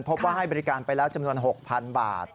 พบว่าให้บริการไปแล้วจำนวน๖๐๐๐บาท